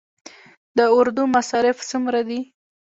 د اردو مصارف څومره دي؟